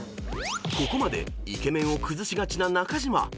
［ここまでイケメンを崩しがちな中島］